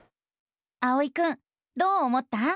あおいくんどう思った？